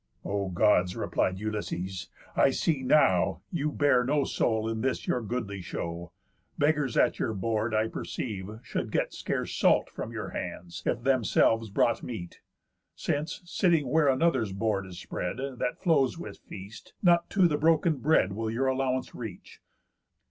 _ "O Gods," replied Ulysses, "I see now, You bear no soul in this your goodly show. Beggars at your board, I perceive, should get Scarce salt from your hands, if themselves brought meat; Since, sitting where another's board is spread, That flows with feast, not to the broken bread Will your allowance reach."